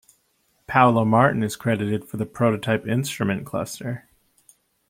Paolo Martin is credited for the prototype instrument cluster.